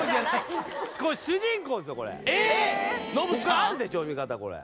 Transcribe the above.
他あるでしょ読み方これ。